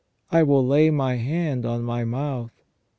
I will lay my hand on my mouth.